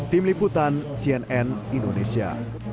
tim liputan cnn indonesia